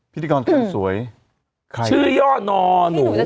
พิทธิกรหนอนู